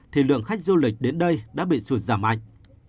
thì lượng khách du lịch đến đây đã bị sụt giảm mạnh